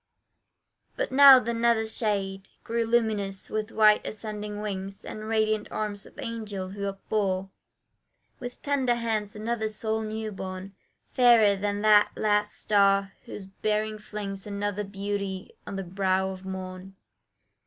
But now the nether shade Grew luminous with white ascending wings, And radiant arms of angels, who upbore With tender hands another soul new born, Fairer than that last star whose bearing flings Another beauty on the brow of morn.